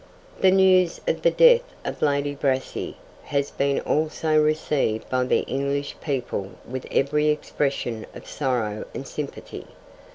The news of the death of Lady Brassey has been also received by the English people with every expression of sorrow and sympathy.